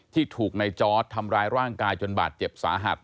ที่ถูกในจอร์ดทำร้ายร่างกายจนบาดเจ็บสาหัส